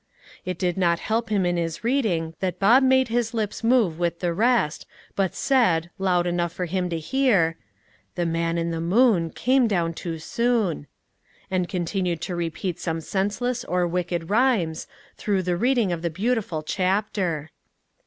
It did not help him in his reading that Bob made his lips move with the rest, but said, loud enough for him to hear, "The man in the moon Came down too soon," and continued to repeat some senseless or wicked rhymes, through the reading of the beautiful chapter.